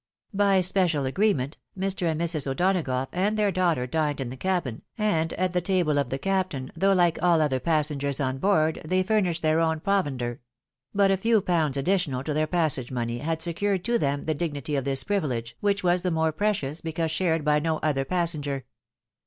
By special agxeement, Mr. and Mrs. O'Donagough and their daughter dined in the cabin, and at the table of the captain, though like all other passengers on board, they furnished their own proven der ; but a few pounds additional to their passage money had secured to them the dignity of this privilege, which was the more precious, because shared by no other passenger.